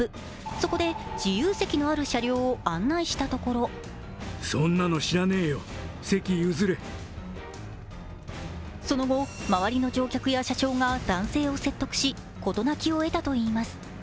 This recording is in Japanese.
そこで、自由席のある車両を案内したところその後、周りの乗客や車掌が男性を説得し、事なきを得たといいます。